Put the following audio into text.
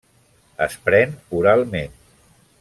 Es pren oralment.